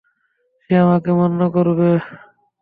সে আমাকে মান্য করবে।